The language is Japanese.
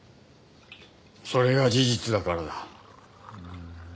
それが事実だからだ。